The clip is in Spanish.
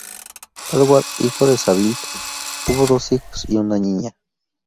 Edward, hijo de Saville, tuvo dos hijos y una niña.